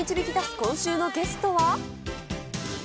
今週のゲストは。